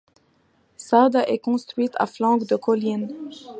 Sada est construite à flanc de colline.